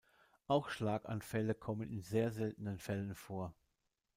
Auch Schlaganfälle kommen in sehr seltenen Fällen vor.